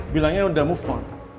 bilangnya udah move on